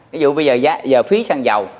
ví dụ bây giờ phí sang giàu